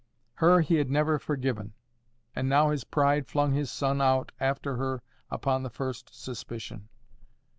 Her he had never forgiven, and now his pride flung his son out after her upon the first suspicion.